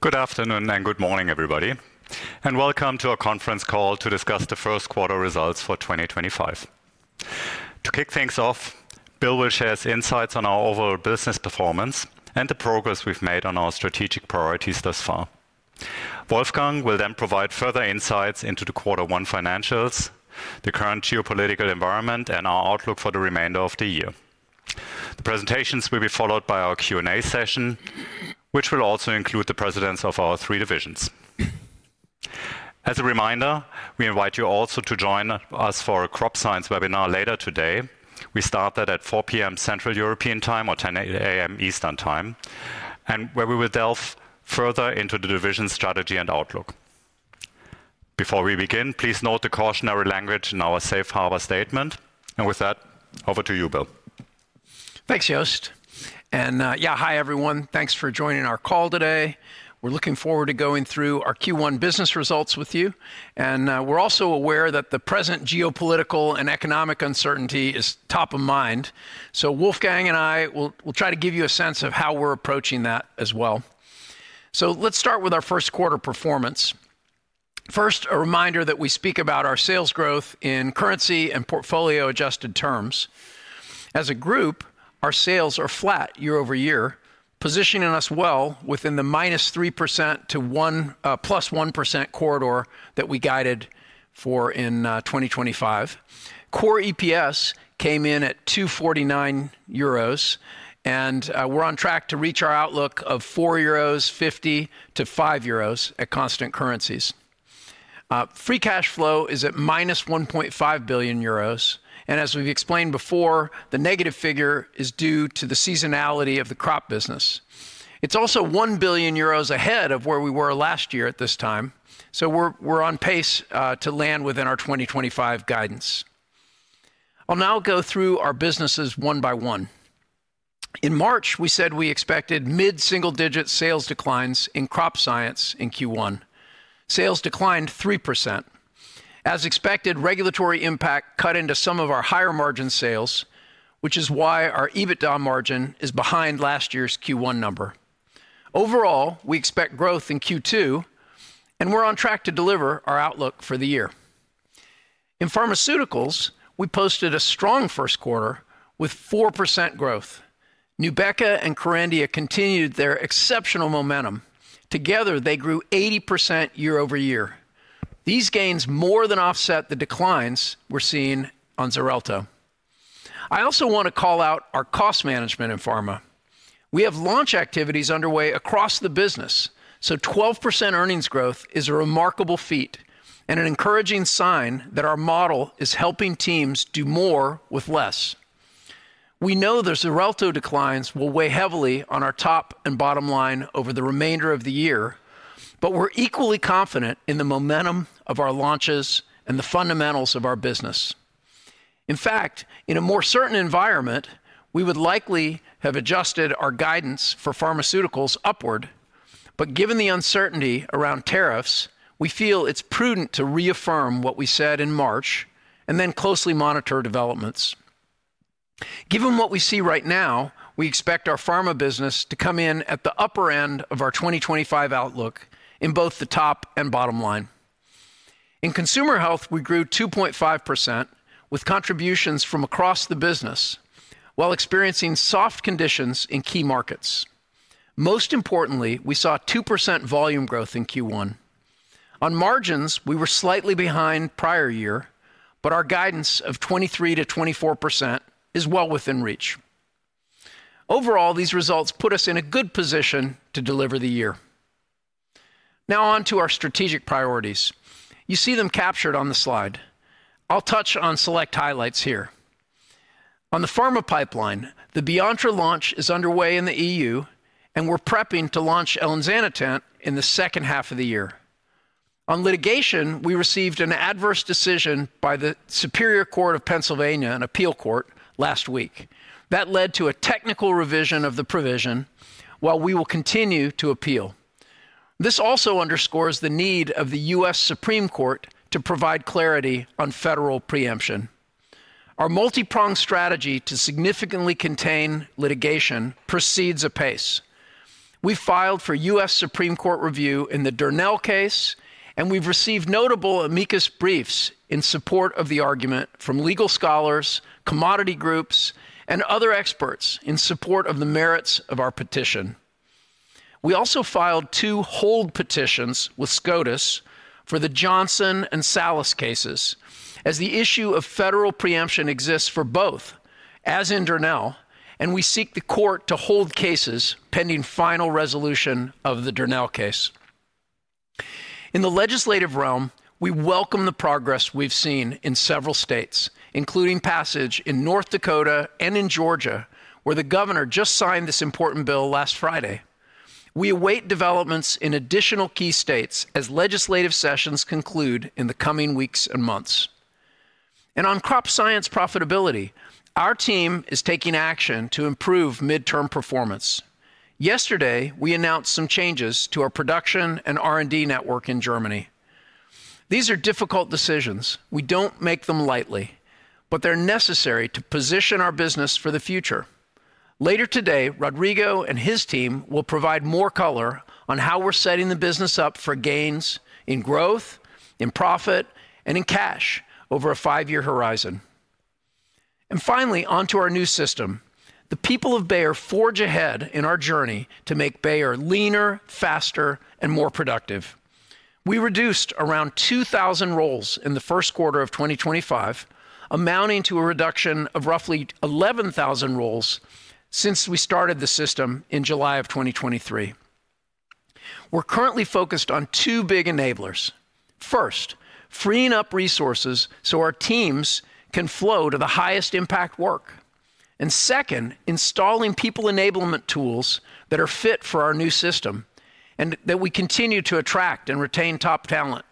Good afternoon and good morning, everybody, and welcome to our conference call to discuss the first quarter results for 2025. To kick things off, Bill will share his insights on our overall business performance and the progress we've made on our strategic priorities thus far. Wolfgang will then provide further insights into the quarter one financials, the current geopolitical environment, and our outlook for the remainder of the year. The presentations will be followed by our Q&A session, which will also include the presidents of our three divisions. As a reminder, we invite you also to join us for a crop science webinar later today. We start that at 4:00 P.M. Central European Time or 10:00 A.M. Eastern Time, and where we will delve further into the division strategy and outlook. Before we begin, please note the cautionary language in our safe harbor statement. With that, over to you, Bill. Thanks, Jost. Yeah, hi everyone. Thanks for joining our call today. We're looking forward to going through our Q1 business results with you. We're also aware that the present geopolitical and economic uncertainty is top of mind. Wolfgang and I will try to give you a sense of how we're approaching that as well. Let's start with our first quarter performance. First, a reminder that we speak about our sales growth in currency and portfolio adjusted terms. As a group, our sales are flat year over year, positioning us well within the -3% to +1% corridor that we guided for in 2025. Core EPS came in at 2.49 euros, and we're on track to reach our outlook of 4.50-5.00 euros at constant currencies. Free cash flow is at -1.5 billion euros. As we have explained before, the negative figure is due to the seasonality of the crop business. It is also 1 billion euros ahead of where we were last year at this time. We are on pace to land within our 2025 guidance. I will now go through our businesses one by one. In March, we said we expected mid-single digit sales declines in crop science in Q1. Sales declined 3%. As expected, regulatory impact cut into some of our higher margin sales, which is why our EBITDA margin is behind last year's Q1 number. Overall, we expect growth in Q2, and we are on track to deliver our outlook for the year. In pharmaceuticals, we posted a strong first quarter with 4% growth. NUBEQA and KERENDIA continued their exceptional momentum. Together, they grew 80% year over year. These gains more than offset the declines we are seeing on Xarelto. I also want to call out our cost management in pharma. We have launch activities underway across the business, so 12% earnings growth is a remarkable feat and an encouraging sign that our model is helping teams do more with less. We know the Xarelto declines will weigh heavily on our top and bottom line over the remainder of the year, but we're equally confident in the momentum of our launches and the fundamentals of our business. In fact, in a more certain environment, we would likely have adjusted our guidance for pharmaceuticals upward. Given the uncertainty around tariffs, we feel it's prudent to reaffirm what we said in March and then closely monitor developments. Given what we see right now, we expect our pharma business to come in at the upper end of our 2025 outlook in both the top and bottom line. In Consumer Health, we grew 2.5% with contributions from across the business while experiencing soft conditions in key markets. Most importantly, we saw 2% volume growth in Q1. On margins, we were slightly behind prior year, but our guidance of 23%-24% is well within reach. Overall, these results put us in a good position to deliver the year. Now on to our strategic priorities. You see them captured on the slide. I'll touch on select highlights here. On the pharma pipeline, the Beyonttra launch is underway in the EU, and we're prepping to launch elinzanetant in the second half of the year. On litigation, we received an adverse decision by the Superior Court of Pennsylvania, an appeal court, last week. That led to a technical revision of the provision, while we will continue to appeal. This also underscores the need of the US Supreme Court to provide clarity on federal pre-emption. Our multi-pronged strategy to significantly contain litigation proceeds apace. We filed for US Supreme Court review in the Darnell case, and we've received notable amicus briefs in support of the argument from legal scholars, commodity groups, and other experts in support of the merits of our petition. We also filed two hold petitions with SCOTUS for the Johnson and Salas cases as the issue of federal pre-emption exists for both, as in Darnell, and we seek the court to hold cases pending final resolution of the Darnell case. In the legislative realm, we welcome the progress we've seen in several states, including passage in North Dakota and in Georgia, where the governor just signed this important bill last Friday. We await developments in additional key states as legislative sessions conclude in the coming weeks and months. On crop science profitability, our team is taking action to improve midterm performance. Yesterday, we announced some changes to our production and R&D network in Germany. These are difficult decisions. We do not make them lightly, but they are necessary to position our business for the future. Later today, Rodrigo and his team will provide more color on how we are setting the business up for gains in growth, in profit, and in cash over a five-year horizon. Finally, on to our new system. The people of Bayer forge ahead in our journey to make Bayer leaner, faster, and more productive. We reduced around 2,000 roles in the first quarter of 2025, amounting to a reduction of roughly 11,000 roles since we started the system in July of 2023. We're currently focused on two big enablers. First, freeing up resources so our teams can flow to the highest impact work. Second, installing people enablement tools that are fit for our new system and that we continue to attract and retain top talent.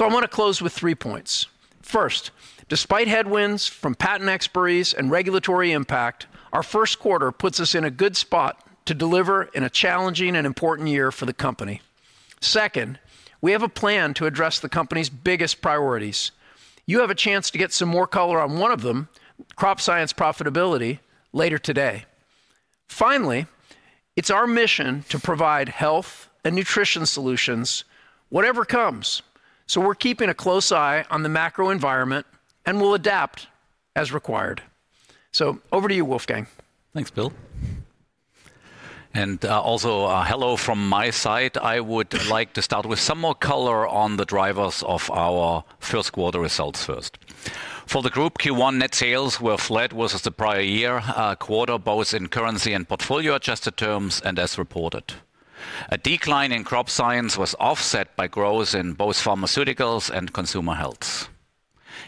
I want to close with three points. First, despite headwinds from patent expertise and regulatory impact, our first quarter puts us in a good spot to deliver in a challenging and important year for the company. Second, we have a plan to address the company's biggest priorities. You have a chance to get some more color on one of them, crop science profitability, later today. Finally, it's our mission to provide health and nutrition solutions whatever comes. We're keeping a close eye on the macro environment and will adapt as required. Over to you, Wolfgang. Thanks, Bill. Also, hello from my side. I would like to start with some more color on the drivers of our first quarter results first. For the group, Q1 net sales were flat versus the prior year quarter, both in currency and portfolio adjusted terms and as reported. A decline in crop science was offset by growth in both pharmaceuticals and consumer health.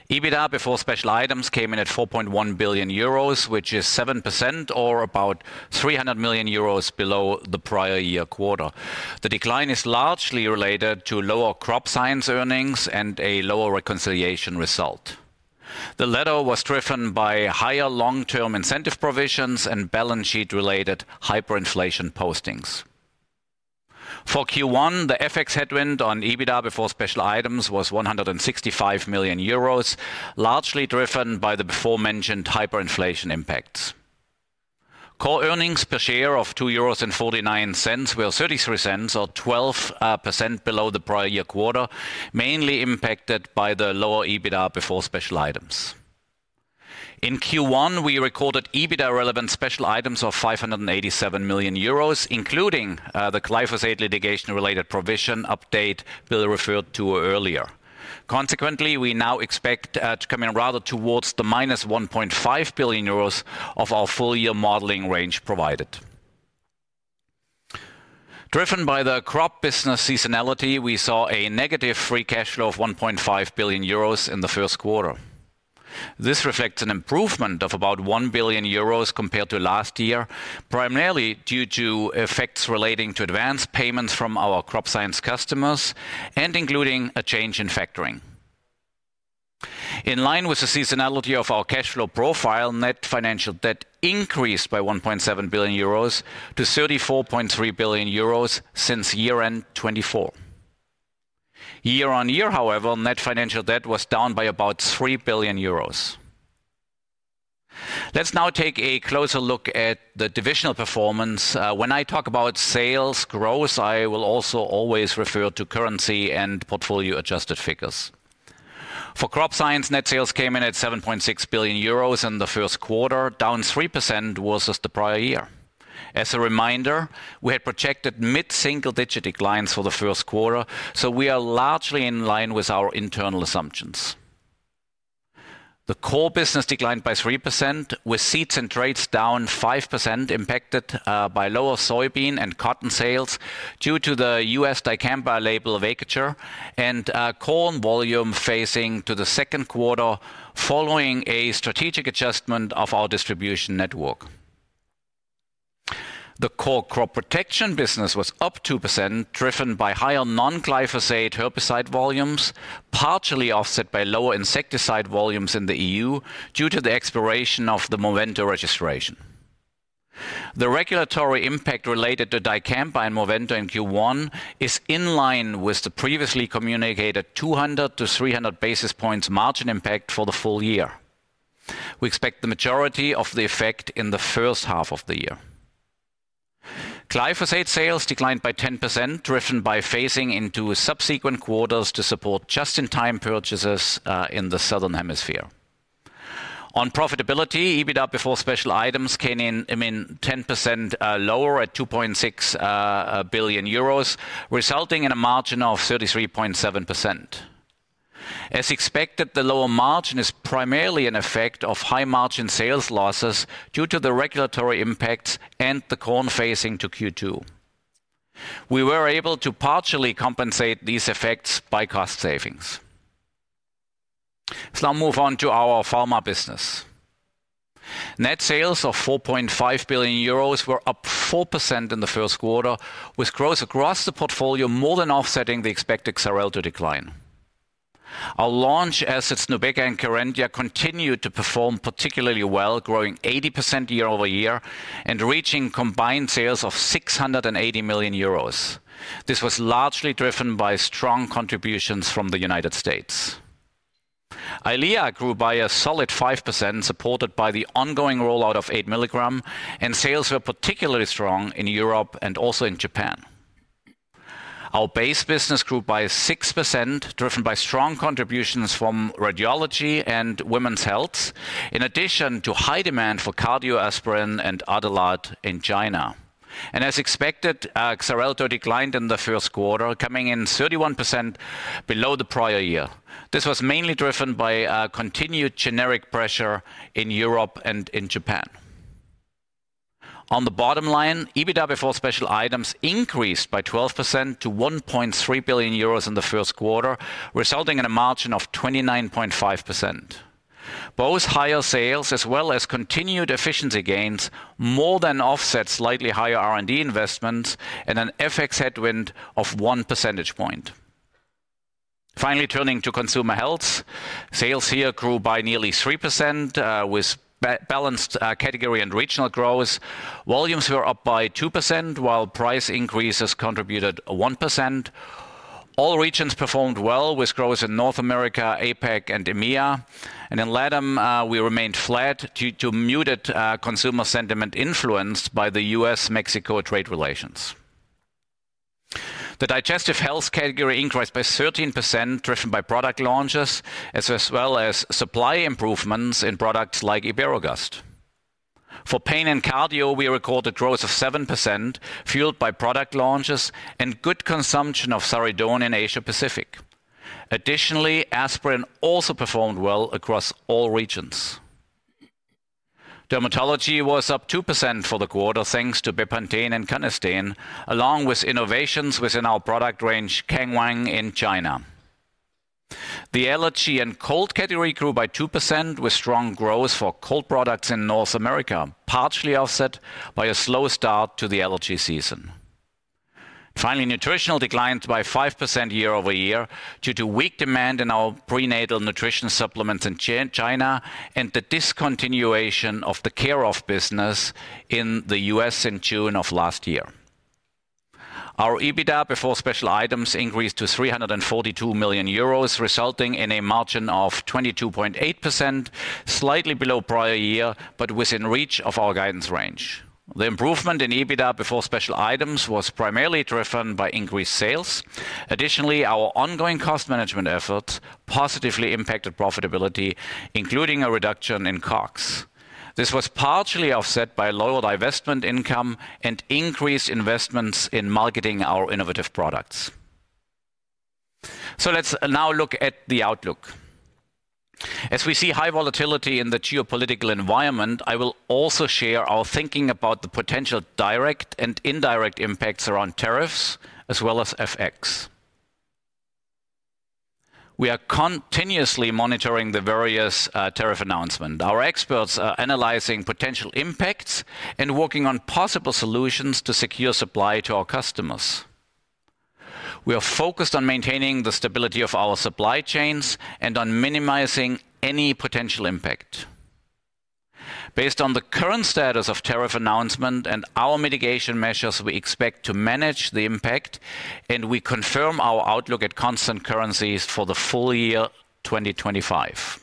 EBITDA before special items came in at 4.1 billion euros, which is 7% or about 300 million euros below the prior year quarter. The decline is largely related to lower crop science earnings and a lower reconciliation result. The latter was driven by higher long-term incentive provisions and balance sheet-related hyperinflation postings. For Q1, the FX headwind on EBITDA before special items was 165 million euros, largely driven by the before-mentioned hyperinflation impacts. Core earnings per share of 2.49 euros were 33% or 12% below the prior year quarter, mainly impacted by the lower EBITDA before special items. In Q1, we recorded EBITDA-relevant special items of 587 million euros, including the glyphosate litigation-related provision update Bill referred to earlier. Consequently, we now expect to come in rather towards the -1.5 billion euros of our full-year modeling range provided. Driven by the crop business seasonality, we saw a negative free cash flow of 1.5 billion euros in the first quarter. This reflects an improvement of about 1 billion euros compared to last year, primarily due to effects relating to advance payments from our crop science customers and including a change in factoring. In line with the seasonality of our cash flow profile, net financial debt increased by 1.7 billion euros to 34.3 billion euros since year-end 2024. Year on year, however, net financial debt was down by about 3 billion euros. Let's now take a closer look at the divisional performance. When I talk about sales growth, I will also always refer to currency and portfolio adjusted figures. For crop science, net sales came in at 7.6 billion euros in the first quarter, down 3% versus the prior year. As a reminder, we had projected mid-single digit declines for the first quarter, so we are largely in line with our internal assumptions. The core business declined by 3%, with seeds and traits down 5%, impacted by lower soybean and cotton sales due to the U.S. dicamba label vacatur and corn volume phasing to the second quarter following a strategic adjustment of our distribution network. The core crop protection business was up 2%, driven by higher non-glyphosate herbicide volumes, partially offset by lower insecticide volumes in the EU due to the expiration of the Movento registration. The regulatory impact related to dicamba and Movento in Q1 is in line with the previously communicated 200-300 basis points margin impact for the full year. We expect the majority of the effect in the first half of the year. Glyphosate sales declined by 10%, driven by phasing into subsequent quarters to support just-in-time purchases in the southern hemisphere. On profitability, EBITDA before special items came in 10% lower at 2.6 billion euros, resulting in a margin of 33.7%. As expected, the lower margin is primarily an effect of high-margin sales losses due to the regulatory impacts and the corn phasing to Q2. We were able to partially compensate these effects by cost savings. Let's now move on to our pharma business. Net sales of 4.5 billion euros were up 4% in the first quarter, with growth across the portfolio more than offsetting the expected Xarelto decline. Our launch assets, NUBEQA and KERENDIA, continued to perform particularly well, growing 80% year over year and reaching combined sales of 680 million euros. This was largely driven by strong contributions from the United States. EYLEA grew by a solid 5%, supported by the ongoing rollout of 8 milligram, and sales were particularly strong in Europe and also in Japan. Our base business grew by 6%, driven by strong contributions from radiology and women's health, in addition to high demand for Cardioaspirin and Adalat in China. As expected, Xarelto declined in the first quarter, coming in 31% below the prior year. This was mainly driven by continued generic pressure in Europe and in Japan. On the bottom line, EBITDA before special items increased by 12% to 1.3 billion euros in the first quarter, resulting in a margin of 29.5%. Both higher sales as well as continued efficiency gains more than offset slightly higher R&D investments and an FX headwind of 1%. Finally, turning to consumer health, sales here grew by nearly 3% with balanced category and regional growth. Volumes were up by 2%, while price increases contributed 1%. All regions performed well with growth in North America, APAC, and EMEA. In LATAM, we remained flat due to muted consumer sentiment influenced by the U.S.-Mexico trade relations. The digestive health category increased by 13%, driven by product launches as well as supply improvements in products like Iberogast. For pain and cardio, we recorded growth of 7%, fueled by product launches and good consumption of Saridon in Asia-Pacific. Additionally, aspirin also performed well across all regions. Dermatology was up 2% for the quarter, thanks to Bepanthen and Canesten, along with innovations within our product range, KangWang in China. The allergy and cold category grew by 2% with strong growth for cold products in North America, partially offset by a slow start to the allergy season. Finally, nutritional declined by 5% year over year due to weak demand in our prenatal nutrition supplements in China and the discontinuation of the care-of business in the U.S. in June of last year. Our EBITDA before special items increased to 342 million euros, resulting in a margin of 22.8%, slightly below prior year, but within reach of our guidance range. The improvement in EBITDA before special items was primarily driven by increased sales. Additionally, our ongoing cost management efforts positively impacted profitability, including a reduction in COGS. This was partially offset by lower divestment income and increased investments in marketing our innovative products. Let's now look at the outlook. As we see high volatility in the geopolitical environment, I will also share our thinking about the potential direct and indirect impacts around tariffs as well as FX. We are continuously monitoring the various tariff announcements. Our experts are analyzing potential impacts and working on possible solutions to secure supply to our customers. We are focused on maintaining the stability of our supply chains and on minimizing any potential impact. Based on the current status of tariff announcement and our mitigation measures, we expect to manage the impact, and we confirm our outlook at constant currencies for the full year 2025.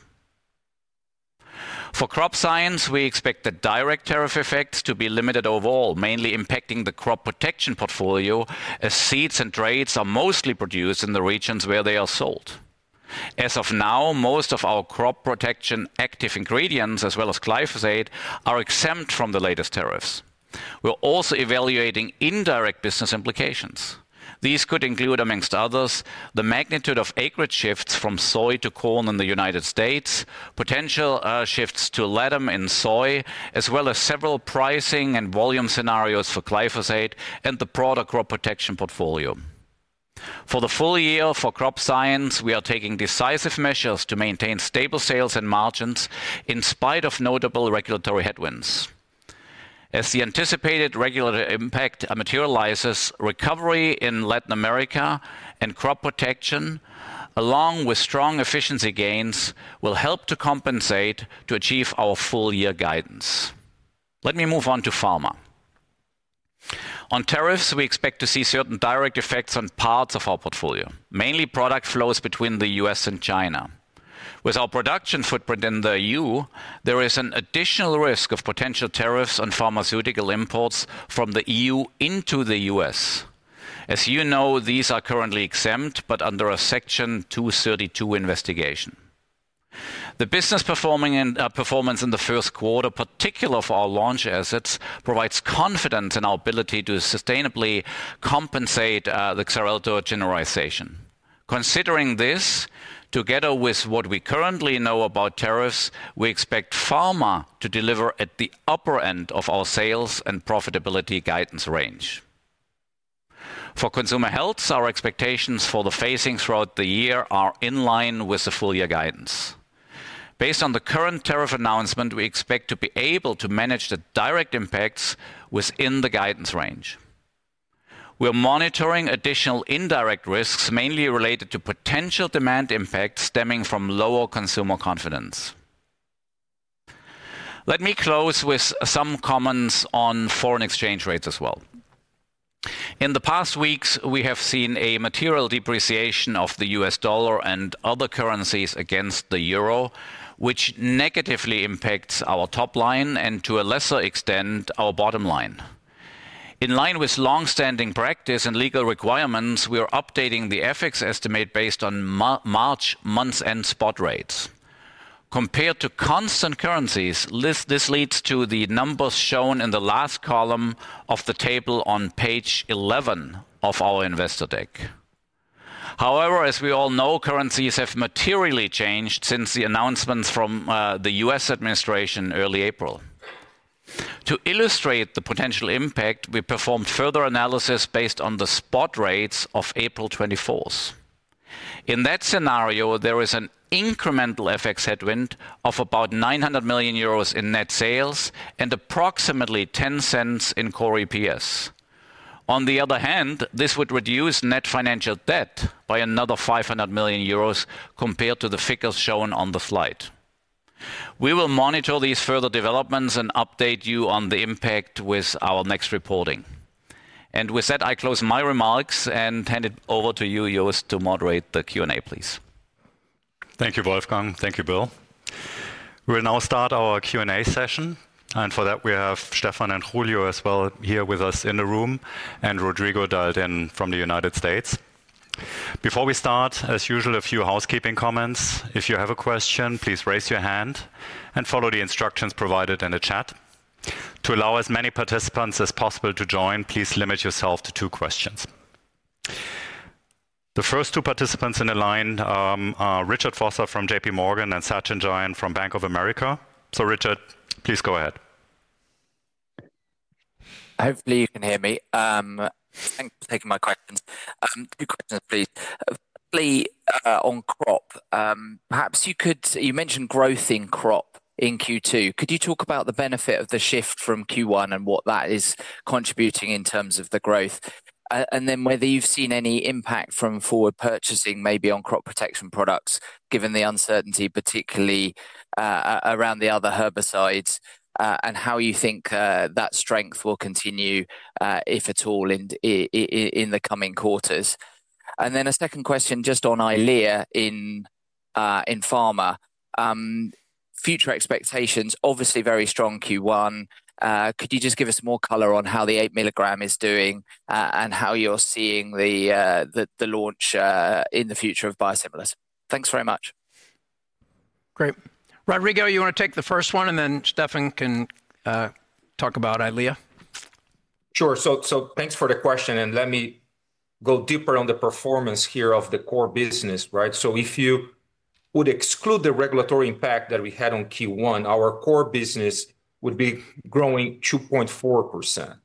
For crop science, we expect the direct tariff effects to be limited overall, mainly impacting the crop protection portfolio, as seeds and traits are mostly produced in the regions where they are sold. As of now, most of our crop protection active ingredients, as well as glyphosate, are exempt from the latest tariffs. We are also evaluating indirect business implications. These could include, amongst others, the magnitude of acreage shifts from soy to corn in the United States, potential shifts to LATAM in soy, as well as several pricing and volume scenarios for glyphosate and the broader crop protection portfolio. For the full year for crop science, we are taking decisive measures to maintain stable sales and margins in spite of notable regulatory headwinds. As the anticipated regulatory impact materializes, recovery in Latin America and crop protection, along with strong efficiency gains, will help to compensate to achieve our full-year guidance. Let me move on to pharma. On tariffs, we expect to see certain direct effects on parts of our portfolio, mainly product flows between the U.S. and China. With our production footprint in the EU, there is an additional risk of potential tariffs on pharmaceutical imports from the EU into the U.S.. As you know, these are currently exempt, but under a Section 232 investigation. The business performance in the first quarter, particular for our launch assets, provides confidence in our ability to sustainably compensate the Xarelto generalization. Considering this, together with what we currently know about tariffs, we expect pharma to deliver at the upper end of our sales and profitability guidance range. For consumer health, our expectations for the phasing throughout the year are in line with the full-year guidance. Based on the current tariff announcement, we expect to be able to manage the direct impacts within the guidance range. We're monitoring additional indirect risks, mainly related to potential demand impacts stemming from lower consumer confidence. Let me close with some comments on foreign exchange rates as well. In the past weeks, we have seen a material depreciation of the U.S. dollar and other currencies against the euro, which negatively impacts our top line and, to a lesser extent, our bottom line. In line with long-standing practice and legal requirements, we are updating the FX estimate based on March month's end spot rates. Compared to constant currencies, this leads to the numbers shown in the last column of the table on page 11 of our investor deck. However, as we all know, currencies have materially changed since the announcements from the U.S. administration in early April. To illustrate the potential impact, we performed further analysis based on the spot rates of April 24. In that scenario, there is an incremental FX headwind of about 900 million euros in net sales and approximately 0.10 in core EPS. On the other hand, this would reduce net financial debt by another 500 million euros compared to the figures shown on the slide. We will monitor these further developments and update you on the impact with our next reporting. With that, I close my remarks and hand it over to you, Jost, to moderate the Q&A, please. Thank you, Wolfgang. Thank you, Bill. We will now start our Q&A session. For that, we have Stefan and Julio as well here with us in the room, and Rodrigo dialed in from the United States. Before we start, as usual, a few housekeeping comments. If you have a question, please raise your hand and follow the instructions provided in the chat. To allow as many participants as possible to join, please limit yourself to two questions. The first two participants in the line are Richard Vosser from J.P. Morgan and Sachin Jain from Bank of America. Richard, please go ahead. Hopefully, you can hear me. Thanks for taking my questions. Two questions, please. Firstly, on crop, perhaps you mentioned growth in crop in Q2. Could you talk about the benefit of the shift from Q1 and what that is contributing in terms of the growth? Then whether you've seen any impact from forward purchasing, maybe on crop protection products, given the uncertainty, particularly around the other herbicides, and how you think that strength will continue, if at all, in the coming quarters. A second question just on EYLEA in pharma. Future expectations, obviously very strong Q1. Could you just give us more color on how the eight milligram is doing and how you're seeing the launch in the future of biosimilars? Thanks very much. Great. Rodrigo, you want to take the first one, and then Stefan can talk about EYLEA. Sure. Thanks for the question. Let me go deeper on the performance here of the core business. If you would exclude the regulatory impact that we had on Q1, our core business would be growing 2.4%.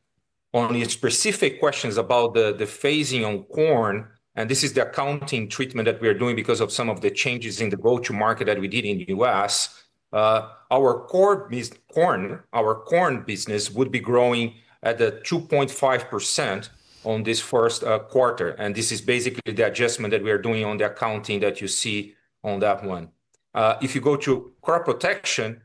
Only specific questions about the phasing on corn, and this is the accounting treatment that we are doing because of some of the changes in the go-to-market that we did in the U.S., our corn business would be growing at 2.5% in this first quarter. This is basically the adjustment that we are doing on the accounting that you see on that one. If you go to crop protection,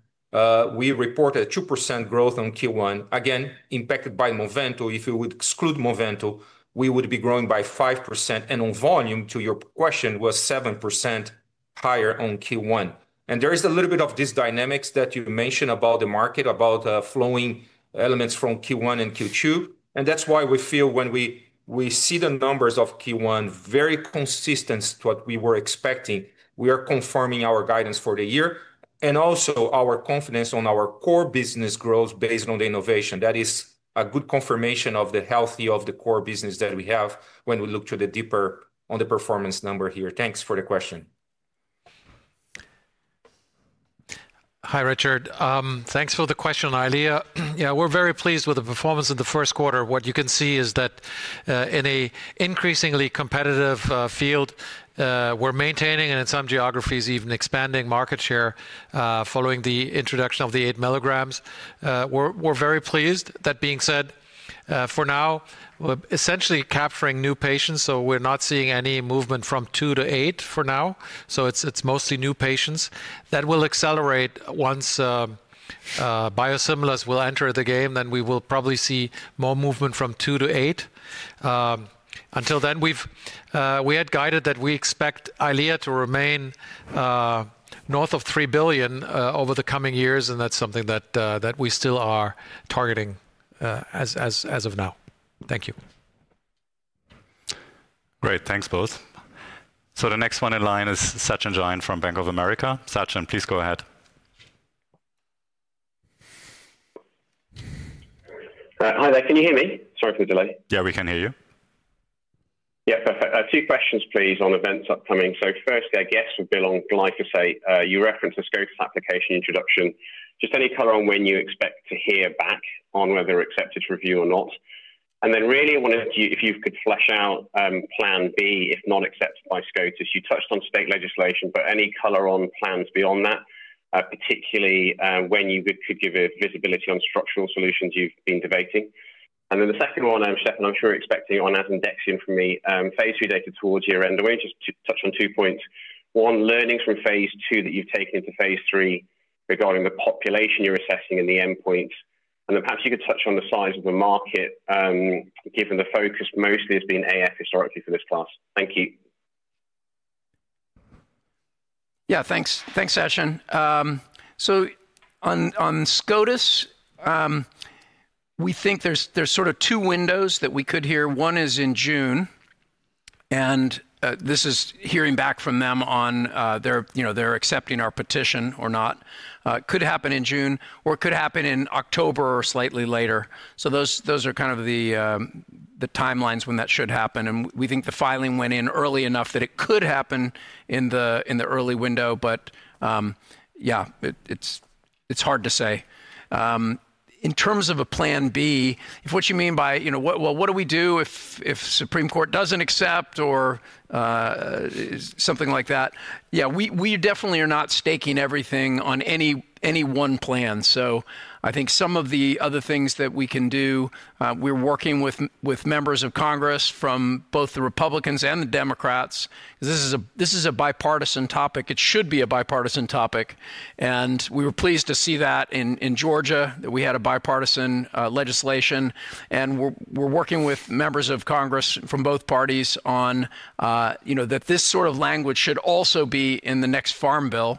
we reported a 2% growth on Q1, again, impacted by Movento. If you would exclude Movento, we would be growing by 5%. On volume, to your question, it was 7% higher in Q1. There is a little bit of this dynamics that you mentioned about the market, about flowing elements from Q1 and Q2. That is why we feel when we see the numbers of Q1 very consistent to what we were expecting, we are confirming our guidance for the year and also our confidence in our core business growth based on the innovation. That is a good confirmation of the health of the core business that we have when we look deeper on the performance number here. Thanks for the question. Hi, Richard. Thanks for the question, EYLEA. Yeah, we're very pleased with the performance of the first quarter. What you can see is that in an increasingly competitive field, we're maintaining, and in some geographies, even expanding market share following the introduction of the eight milligrams. We're very pleased. That being said, for now, we're essentially capturing new patients. We're not seeing any movement from two to eight for now. It's mostly new patients. That will accelerate once biosimilars will enter the game. We will probably see more movement from two to eight. Until then, we had guided that we expect EYLEA to remain north of 3 billion over the coming years. That's something that we still are targeting as of now. Thank you. Great. Thanks, both. The next one in line is Sachin Jain from Bank of America. Sachin, please go ahead. Hi there. Can you hear me? Sorry for the delay. Yeah, we can hear you. Yeah, perfect. Two questions, please, on events upcoming. First, our guess would be along glyphosate. You referenced the SCOTUS application introduction. Just any color on when you expect to hear back on whether it's accepted to review or not. I wondered if you could flesh out plan B, if not accepted by SCOTUS. You touched on state legislation, but any color on plans beyond that, particularly when you could give visibility on structural solutions you've been debating. The second one, Stefan, I'm sure you're expecting on asundexian from me, phase three data towards year-end. I want you just to touch on two points. One, learnings from phase two that you've taken into phase three regarding the population you're assessing and the end points. Perhaps you could touch on the size of the market, given the focus mostly has been AF historically for this class. Thank you. Yeah, thanks. Thanks, Sachin. On SCOTUS, we think there are sort of two windows that we could hear. One is in June. This is hearing back from them on their accepting our petition or not. It could happen in June or could happen in October or slightly later. Those are kind of the timelines when that should happen. We think the filing went in early enough that it could happen in the early window. Yeah, it's hard to say. In terms of a plan B, if what you mean by, well, what do we do if Supreme Court does not accept or something like that? Yeah, we definitely are not staking everything on any one plan. I think some of the other things that we can do, we are working with members of Congress from both the Republicans and the Democrats. This is a bipartisan topic. It should be a bipartisan topic. We were pleased to see that in Georgia, we had a bipartisan legislation. We are working with members of Congress from both parties on that. This sort of language should also be in the next farm bill.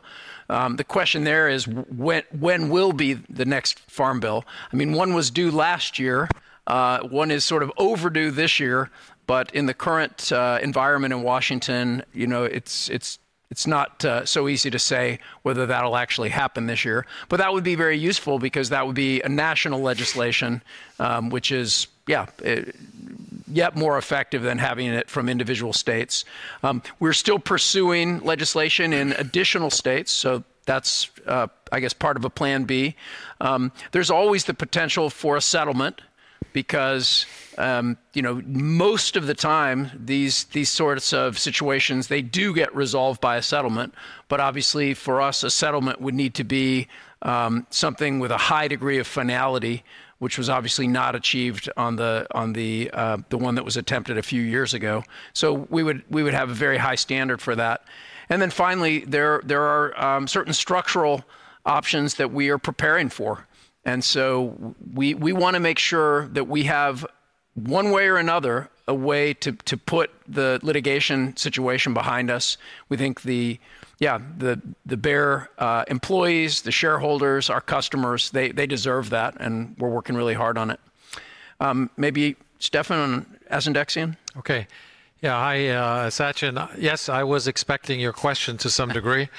The question there is, when will be the next farm bill? I mean, one was due last year. One is sort of overdue this year. In the current environment in Washington, it is not so easy to say whether that will actually happen this year. That would be very useful because that would be a national legislation, which is more effective than having it from individual states. We are still pursuing legislation in additional states. That is, I guess, part of a plan B. There is always the potential for a settlement because most of the time, these sorts of situations, they do get resolved by a settlement. Obviously, for us, a settlement would need to be something with a high degree of finality, which was obviously not achieved on the one that was attempted a few years ago. We would have a very high standard for that. Finally, there are certain structural options that we are preparing for. We want to make sure that we have, one way or another, a way to put the litigation situation behind us. We think the Bayer employees, the shareholders, our customers, they deserve that. We are working really hard on it. Maybe Stefan on asundexian? Okay. Hi, Sachin. Yes, I was expecting your question to some degree.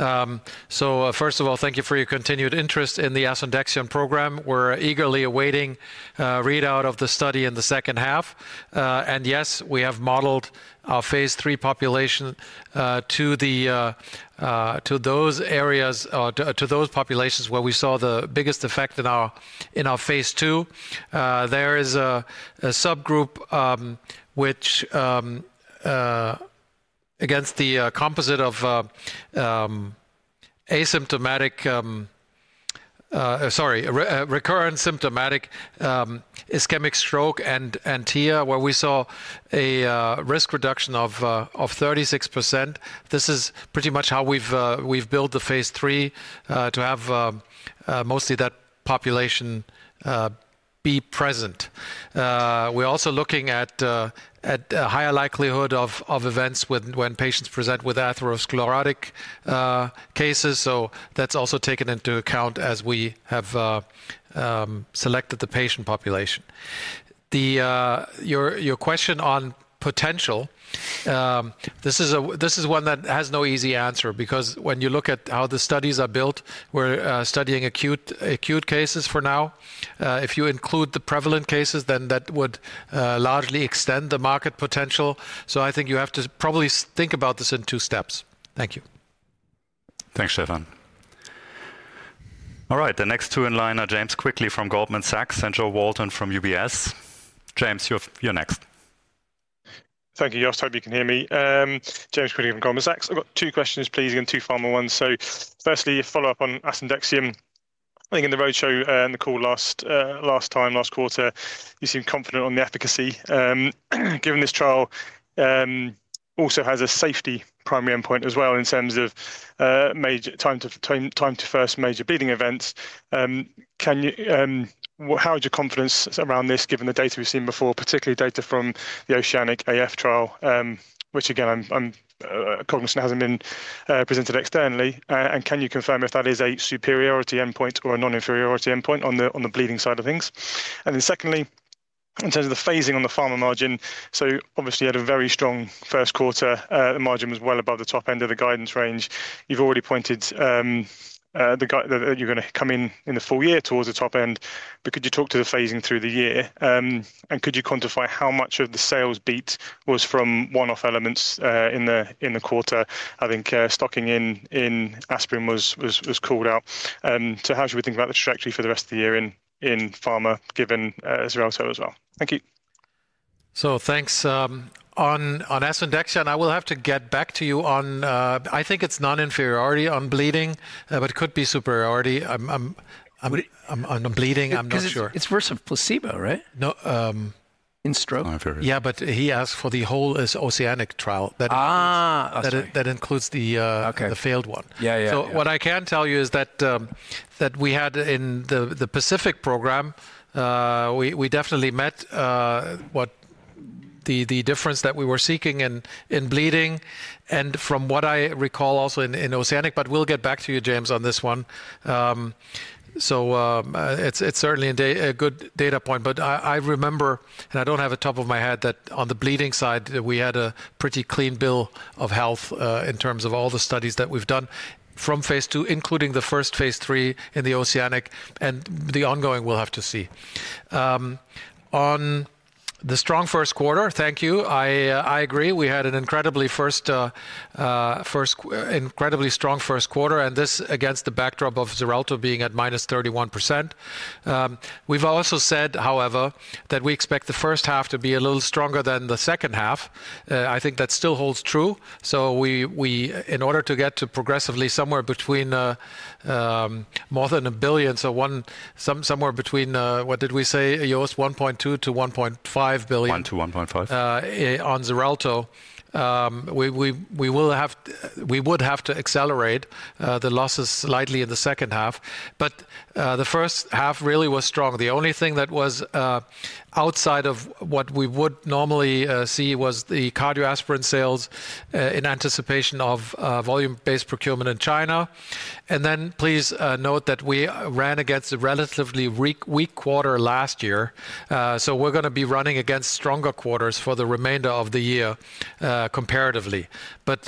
First of all, thank you for your continued interest in the asundexian program. We are eagerly awaiting readout of the study in the second half. Yes, we have modeled our phase three population to those areas or to those populations where we saw the biggest effect in our phase two. There is a subgroup against the composite of asymptomatic, sorry, recurrent symptomatic ischemic stroke and TIA, where we saw a risk reduction of 36%. This is pretty much how we've built the phase three to have mostly that population be present. We're also looking at a higher likelihood of events when patients present with atherosclerotic cases. That is also taken into account as we have selected the patient population. Your question on potential, this is one that has no easy answer because when you look at how the studies are built, we're studying acute cases for now. If you include the prevalent cases, then that would largely extend the market potential. I think you have to probably think about this in two steps. Thank you. Thanks, Stefan. All right. The next two in line are James Quigley from Goldman Sachs and Jo Walton from UBS. James, you're next. Thank you. Yes, I hope you can hear me. James Quigley from Goldman Sachs. I've got two questions, please, and two final ones. Firstly, a follow-up on asundexian. I think in the roadshow and the call last time, last quarter, you seem confident on the efficacy. Given this trial also has a safety primary endpoint as well in terms of time to first major bleeding events. How is your confidence around this, given the data we've seen before, particularly data from the Oceanic AF trial, which, again, I'm cognizant hasn't been presented externally? Can you confirm if that is a superiority endpoint or a non-inferiority endpoint on the bleeding side of things? Secondly, in terms of the phasing on the pharma margin, you obviously had a very strong first quarter. The margin was well above the top end of the guidance range. You have already pointed that you are going to come in in the full year towards the top end. Could you talk to the phasing through the year? Could you quantify how much of the sales beat was from one-off elements in the quarter? I think stocking in aspirin was called out. How should we think about the trajectory for the rest of the year in pharma, given as well as well? Thank you. Thanks. On asundexian, I will have to get back to you on, I think it is non-inferiority on bleeding, but it could be superiority. I am on bleeding. I am not sure. It is worse than placebo, right? In stroke? Yeah, but he asked for the whole Oceanic trial that includes the failed one. What I can tell you is that we had in the Pacific program, we definitely met the difference that we were seeking in bleeding. From what I recall also in Oceanic, but we'll get back to you, James, on this one. It's certainly a good data point. I remember, and I don't have it top of my head, that on the bleeding side, we had a pretty clean bill of health in terms of all the studies that we've done from phase two, including the first phase three in the Oceanic. The ongoing, we'll have to see. On the strong first quarter, thank you. I agree. We had an incredibly strong first quarter. This against the backdrop of Xarelto being at -31%. We've also said, however, that we expect the first half to be a little stronger than the second half. I think that still holds true. In order to get to progressively somewhere between more than a billion, so somewhere between, what did we say, 1.2 billion-1.5 billion. One to 1.5. On Xarelto, we would have to accelerate the losses slightly in the second half. The first half really was strong. The only thing that was outside of what we would normally see was the cardioaspirin sales in anticipation of volume-based procurement in China. Please note that we ran against a relatively weak quarter last year. We are going to be running against stronger quarters for the remainder of the year comparatively.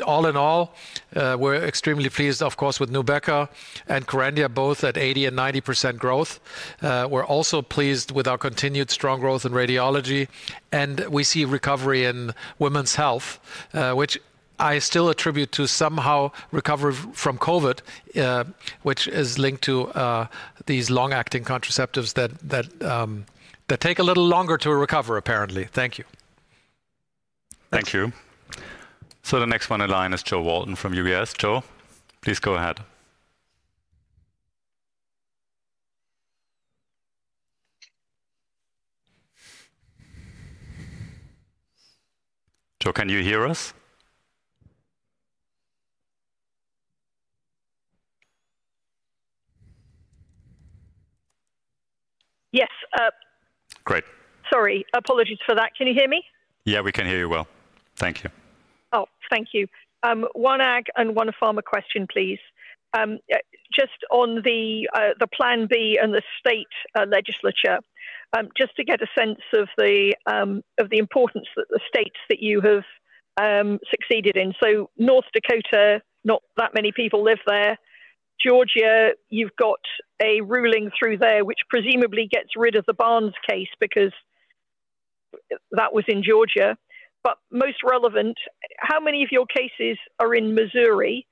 All in all, we're extremely pleased, of course, with NUBEQA and KERENDIA, both at 80% and 90% growth. We're also pleased with our continued strong growth in radiology. We see recovery in women's health, which I still attribute to somehow recovery from COVID, which is linked to these long-acting contraceptives that take a little longer to recover, apparently. Thank you. Thank you. The next one in line is Jo Walton from UBS. Jo, please go ahead. Jo, can you hear us? Yes. Great. Sorry. Apologies for that. Can you hear me? Yeah, we can hear you well. Thank you. Oh, thank you. One AG and one pharma question, please. Just on the plan B and the state legislature, just to get a sense of the importance that the states that you have succeeded in. North Dakota, not that many people live there. Georgia, you've got a ruling through there, which presumably gets rid of the Barnes case because that was in Georgia. Most relevant, how many of your cases are in Missouri?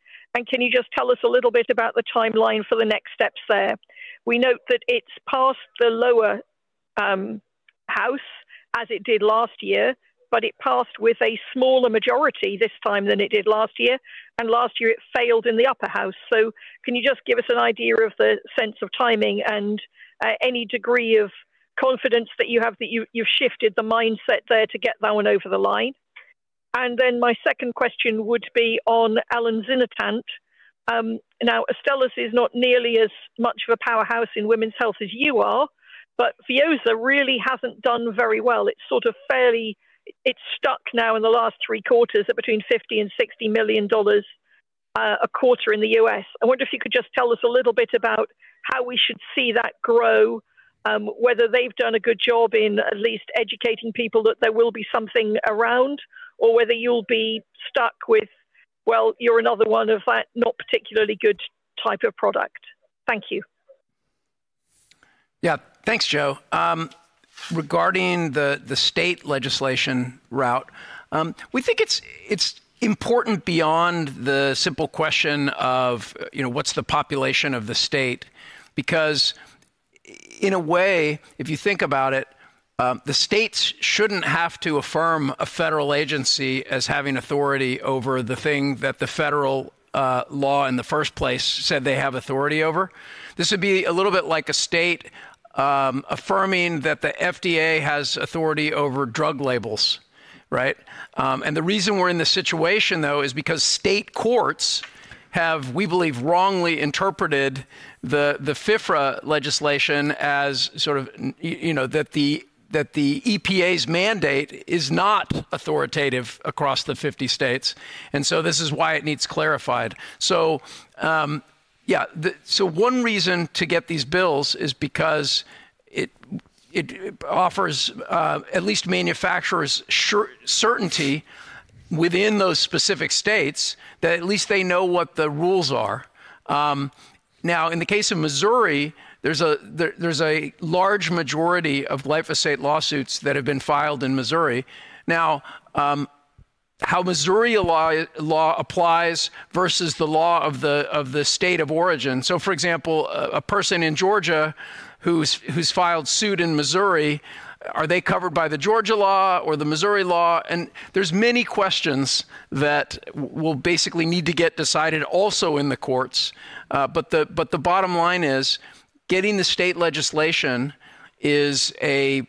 Can you just tell us a little bit about the timeline for the next steps there? We note that it has passed the lower house as it did last year, but it passed with a smaller majority this time than it did last year. Last year, it failed in the upper house. Can you just give us an idea of the sense of timing and any degree of confidence that you have that you have shifted the mindset there to get that one over the line? My second question would be on elinzanetant. Now, Astellas is not nearly as much of a powerhouse in women's health as you are, but FIOSA really has not done very well. It's sort of fairly stuck now in the last three quarters at between $50 million and $60 million a quarter in the U.S. I wonder if you could just tell us a little bit about how we should see that grow, whether they've done a good job in at least educating people that there will be something around, or whether you'll be stuck with, well, you're another one of that not particularly good type of product. Thank you. Yeah, thanks, Jo. Regarding the state legislation route, we think it's important beyond the simple question of what's the population of the state because in a way, if you think about it, the states shouldn't have to affirm a federal agency as having authority over the thing that the federal law in the first place said they have authority over. This would be a little bit like a state affirming that the FDA has authority over drug labels, right? The reason we're in this situation, though, is because state courts have, we believe, wrongly interpreted the FIFRA legislation as sort of that the EPA's mandate is not authoritative across the 50 states. This is why it needs clarified. Yeah, one reason to get these bills is because it offers at least manufacturers certainty within those specific states that at least they know what the rules are. In the case of Missouri, there's a large majority of life estate lawsuits that have been filed in Missouri. Now, how Missouri law applies versus the law of the state of origin. For example, a person in Georgia who's filed suit in Missouri, are they covered by the Georgia law or the Missouri law? There are many questions that will basically need to get decided also in the courts. The bottom line is getting the state legislation is, I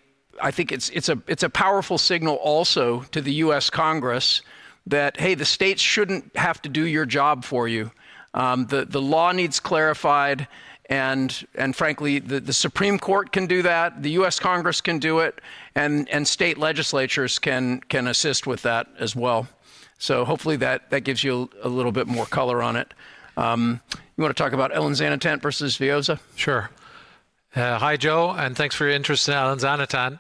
think, a powerful signal also to the U.S. Congress that, hey, the states should not have to do your job for you. The law needs clarified. Frankly, the Supreme Court can do that. The U.S. Congress can do it. State legislatures can assist with that as well. Hopefully that gives you a little bit more color on it. You want to talk about elinzanetant versus FIOSA? Sure. Hi, Jo, and thanks for your interest in elinzanetant.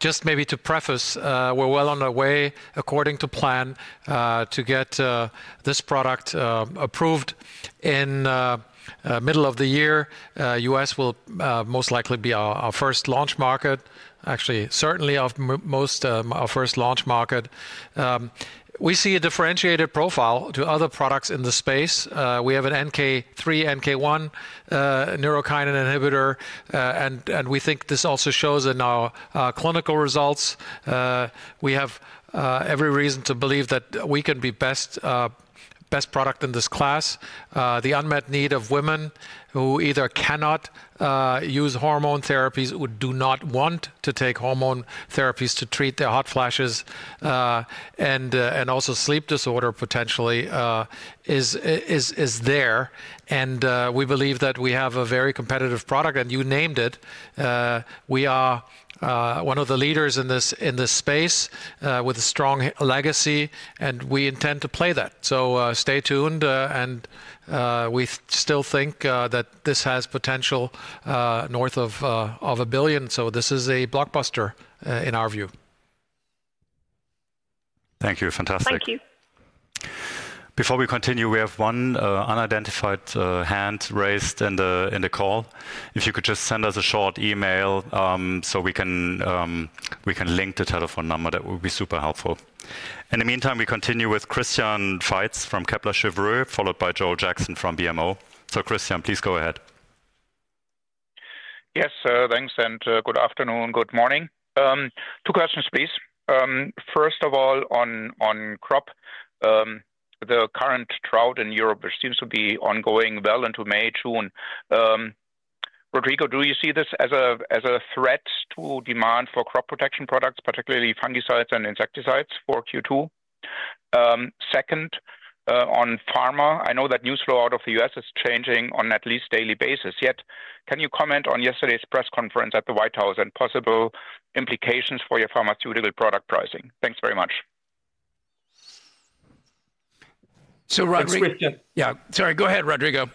Just maybe to preface, we are well on our way, according to plan, to get this product approved in the middle of the year. U.S. will most likely be our first launch market, actually, certainly our first launch market. We see a differentiated profile to other products in the space. We have an NK3, NK1 neurokine inhibitor. We think this also shows in our clinical results. We have every reason to believe that we can be best product in this class. The unmet need of women who either cannot use hormone therapies, who do not want to take hormone therapies to treat their hot flashes, and also sleep disorder potentially is there. We believe that we have a very competitive product. You named it. We are one of the leaders in this space with a strong legacy. We intend to play that. Stay tuned. We still think that this has potential north of a billion. This is a blockbuster in our view. Thank you. Fantastic. Thank you. Before we continue, we have one unidentified hand raised in the call. If you could just send us a short email so we can link the telephone number, that would be super helpful. In the meantime, we continue with Christian Feitz from Kepler Cheuvreux, followed by Joel Jackson from BMO. Christian, please go ahead. Yes, thanks. Good afternoon, good morning. Two questions, please. First of all, on crop, the current drought in Europe seems to be ongoing well into May, June. Rodrigo, do you see this as a threat to demand for crop protection products, particularly fungicides and insecticides for Q2? Second, on pharma, I know that news flow out of the U.S. is changing on at least a daily basis. Yet, can you comment on yesterday's press conference at the White House and possible implications for your pharmaceutical product pricing? Thanks very much. Rodrigo. Yeah, sorry, go ahead, Rodrigo.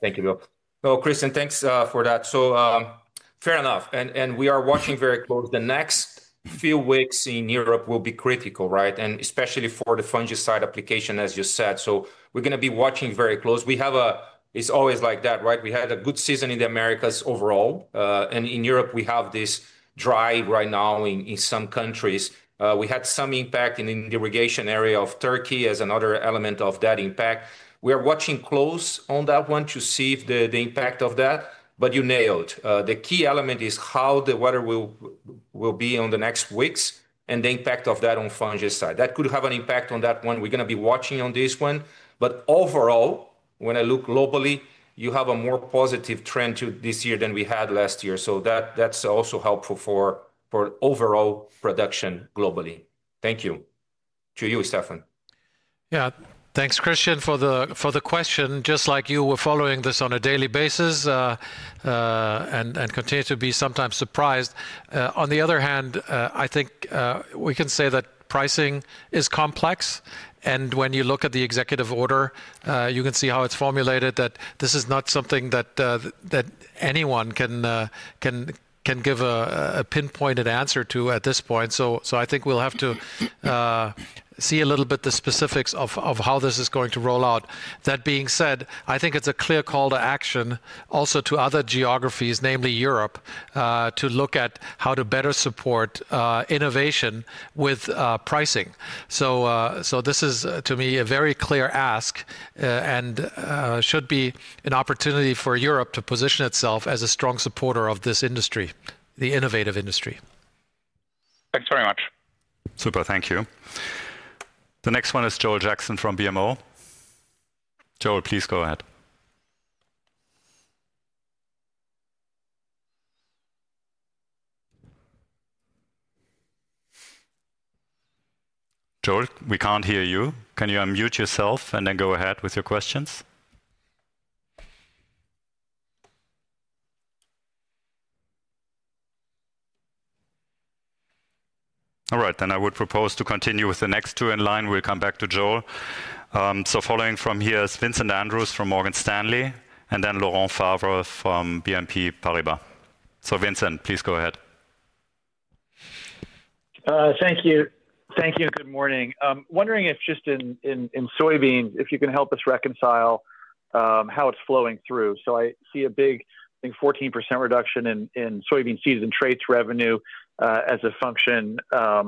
Thank you, Bill. Christian, thanks for that. Fair enough. We are watching very close. The next few weeks in Europe will be critical, right? Especially for the fungicide application, as you said. We are going to be watching very close. It is always like that, right? We had a good season in the Americas overall. In Europe, we have this dry right now in some countries. We had some impact in the irrigation area of Turkey as another element of that impact. We are watching close on that one to see the impact of that. You nailed it. The key element is how the weather will be in the next weeks and the impact of that on fungicide. That could have an impact on that one. We are going to be watching on this one. Overall, when I look globally, you have a more positive trend this year than we had last year. That's also helpful for overall production globally. Thank you. To you, Stefan. Yeah, thanks, Christian, for the question. Just like you, we're following this on a daily basis and continue to be sometimes surprised. On the other hand, I think we can say that pricing is complex. When you look at the executive order, you can see how it's formulated that this is not something that anyone can give a pinpointed answer to at this point. I think we'll have to see a little bit the specifics of how this is going to roll out. That being said, I think it's a clear call to action also to other geographies, namely Europe, to look at how to better support innovation with pricing. This is, to me, a very clear ask and should be an opportunity for Europe to position itself as a strong supporter of this industry, the innovative industry. Thanks very much. Super, thank you. The next one is Joel Jackson from BMO. Joel, please go ahead. Joel, we can't hear you. Can you unmute yourself and then go ahead with your questions? All right, I would propose to continue with the next two in line. We'll come back to Joel. Following from here is Vincent Andrews from Morgan Stanley and then Laurent Favre from BNP Paribas. Vincent, please go ahead. Thank you. Thank you. Good morning. Wondering if just in soybeans, if you can help us reconcile how it's flowing through. I see a big, I think, 14% reduction in soybean season traits revenue as a function of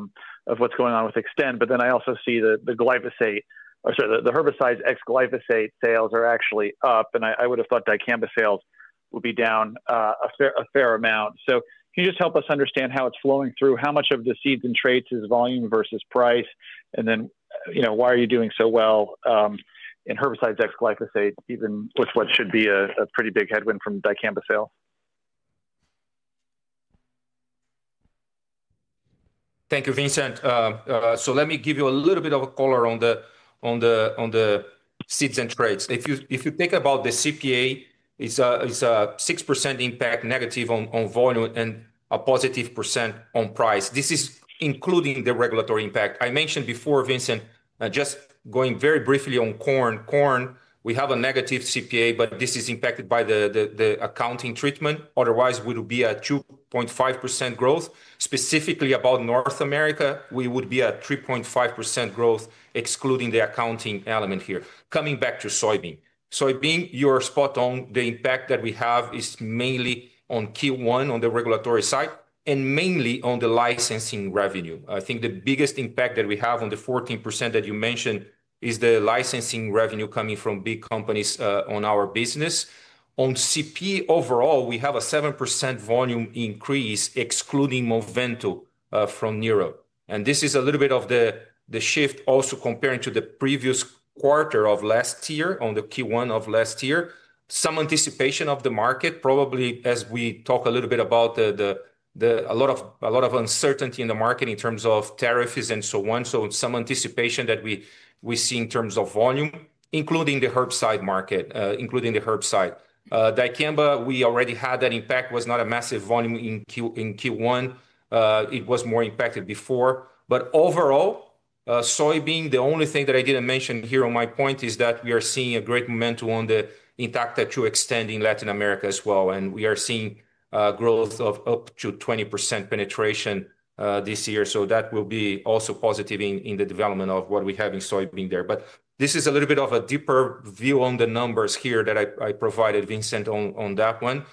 what's going on with extend. I also see the glyphosate, or sorry, the herbicides ex-glyphosate sales are actually up. I would have thought dicamba sales would be down a fair amount. Can you just help us understand how it's flowing through? How much of the seeds and traits is volume versus price? Why are you doing so well in herbicides ex-glyphosate, even with what should be a pretty big headwind from dicamba sales? Thank you, Vincent. Let me give you a little bit of a color on the seeds and traits. If you think about the CPA, it's a 6% impact negative on volume and a positive % on price. This is including the regulatory impact. I mentioned before, Vincent, just going very briefly on corn. Corn, we have a negative CPA, but this is impacted by the accounting treatment. Otherwise, we would be at 2.5% growth. Specifically about North America, we would be at 3.5% growth, excluding the accounting element here. Coming back to soybean. Soybean, you are spot on. The impact that we have is mainly on Q1, on the regulatory side, and mainly on the licensing revenue. I think the biggest impact that we have on the 14% that you mentioned is the licensing revenue coming from big companies on our business. On CP overall, we have a 7% volume increase, excluding Movento from Nero. This is a little bit of the shift also comparing to the previous quarter of last year on the Q1 of last year. Some anticipation of the market, probably as we talk a little bit about a lot of uncertainty in the market in terms of tariffs and so on. Some anticipation that we see in terms of volume, including the herbicide market, including the herbicide. Dicamba, we already had that impact. Was not a massive volume in Q1. It was more impacted before. Overall, soybean, the only thing that I did not mention here on my point is that we are seeing a great momentum on the Intacta to Extend in Latin America as well. We are seeing growth of up to 20% penetration this year. That will be also positive in the development of what we have in soybean there. This is a little bit of a deeper view on the numbers here that I provided, Vincent, on that one.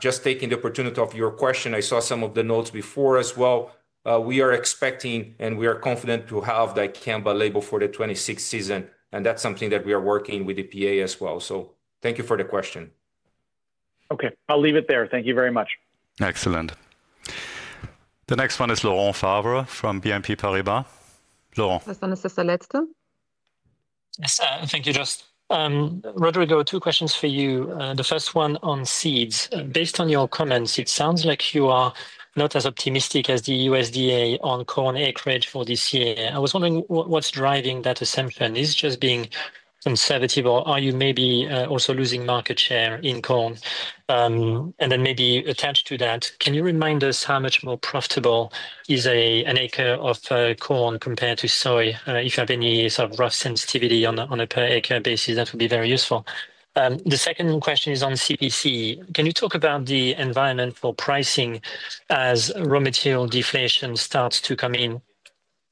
Just taking the opportunity of your question, I saw some of the notes before as well. We are expecting and we are confident to have dicamba label for the 2026 season. That is something that we are working with the EPA as well. Thank you for the question. Okay, I'll leave it there. Thank you very much. Excellent. The next one is Laurent Favre from BNP Paribas. Laurent? That's the last one. Yes, thank you, Jost. Rodrigo, two questions for you. The first one on seeds. Based on your comments, it sounds like you are not as optimistic as the USDA on corn acreage for this year. I was wondering what's driving that assumption. Is it just being conservative, or are you maybe also losing market share in corn? And then maybe attached to that, can you remind us how much more profitable is an acre of corn compared to soy? If you have any sort of rough sensitivity on a per acre basis, that would be very useful. The second question is on CPC. Can you talk about the environment for pricing as raw material deflation starts to come in?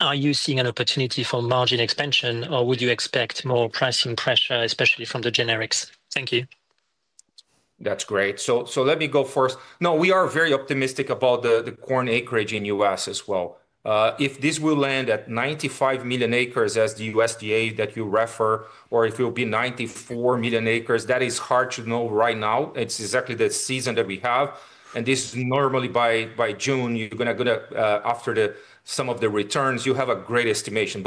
Are you seeing an opportunity for margin expansion, or would you expect more pricing pressure, especially from the generics? Thank you. That's great. Let me go first. No, we are very optimistic about the corn acreage in the U.S. as well. If this will land at 95 million acres as the USDA that you refer, or if it will be 94 million acres, that is hard to know right now. It is exactly the season that we have. This is normally by June, you are going to, after some of the returns, you have a great estimation.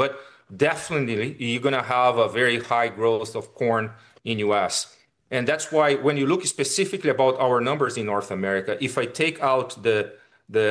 Definitely, you are going to have a very high growth of corn in the U.S. That is why when you look specifically about our numbers in North America, if I take out the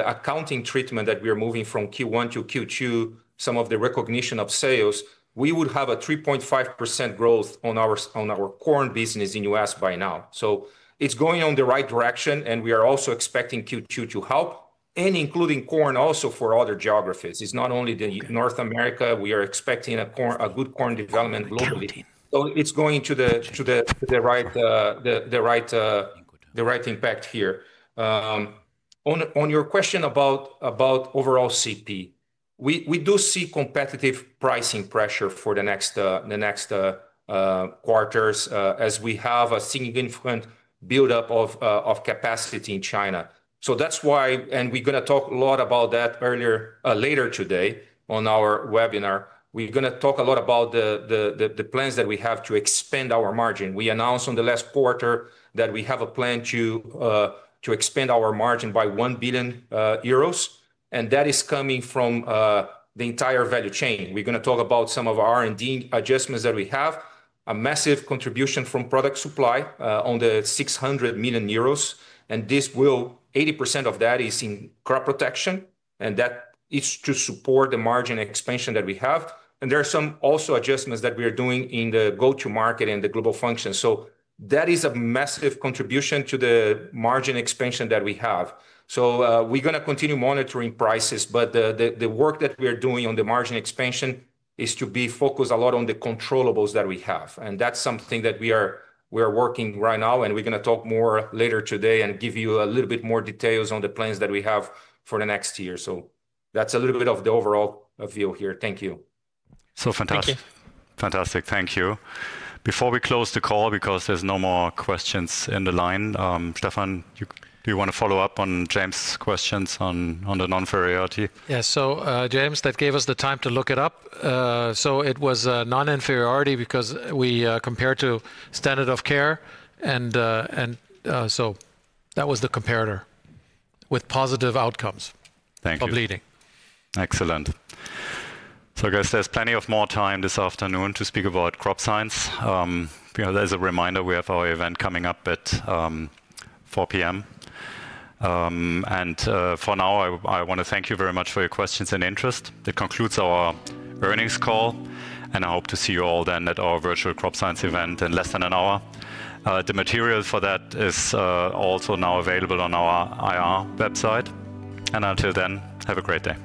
accounting treatment that we are moving from Q1 to Q2, some of the recognition of sales, we would have a 3.5% growth on our corn business in the U.S. by now. It is going in the right direction. We are also expecting Q2 to help, including corn also for other geographies. It is not only North America. We are expecting a good corn development globally. It is going to the right impact here. On your question about overall CP, we do see competitive pricing pressure for the next quarters as we have a significant buildup of capacity in China. That is why, and we are going to talk a lot about that later today on our webinar. We are going to talk a lot about the plans that we have to expand our margin. We announced in the last quarter that we have a plan to expand our margin by 1 billion euros. That is coming from the entire value chain. We're going to talk about some of our R&D adjustments that we have, a massive contribution from product supply on the 600 million euros. This will, 80% of that is in crop protection. That is to support the margin expansion that we have. There are also some adjustments that we are doing in the go-to-market and the global function. That is a massive contribution to the margin expansion that we have. We're going to continue monitoring prices. The work that we are doing on the margin expansion is to be focused a lot on the controllable that we have. That's something that we are working right now. We're going to talk more later today and give you a little bit more details on the plans that we have for the next year. That's a little bit of the overall view here. Thank you. Fantastic. Thank you. Before we close the call, because there's no more questions in the line, Stefan, do you want to follow up on James' questions on the non-inferiority? Yeah. James, that gave us the time to look it up. It was non-inferiority because we compared to standard of care. That was the comparator with positive outcomes of leading. Excellent. There is plenty more time this afternoon to speak about crop science. As a reminder, we have our event coming up at 4:00 P.M. For now, I want to thank you very much for your questions and interest. That concludes our earnings call. I hope to see you all then at our virtual crop science event in less than an hour. The material for that is also now available on our IR website. Until then, have a great day.